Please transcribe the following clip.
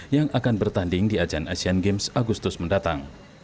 yang akan bertanding di ajang asian games agustus mendatang